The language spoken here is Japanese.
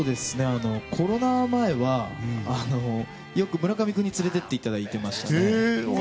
コロナ前は、よく村上君に連れて行っていただいてました。